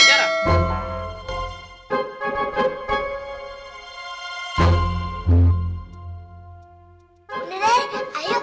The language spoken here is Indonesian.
bunda dari ayo cepat masuk